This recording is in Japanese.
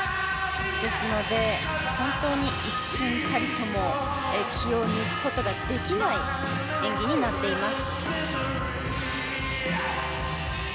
ですので、本当に一瞬たりとも気を抜くことができない演技になっています。